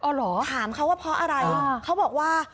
ถามเขาว่าเพราะอะไรเขาบอกว่า